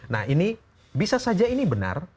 nah ini bisa saja ini benar